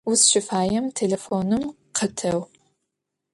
Узщыфаем телефоным къытеу.